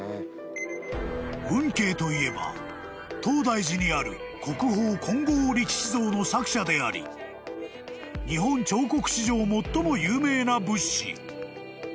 ［運慶といえば東大寺にある国宝金剛力士像の作者であり日本彫刻史上最も有名な仏師］